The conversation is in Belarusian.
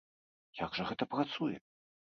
Як жа гэта працуе?